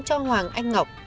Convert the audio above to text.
cho hoàng anh ngọc